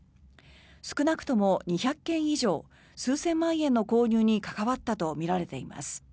少なくとも２００件以上数千万円の購入に関わったとみられています。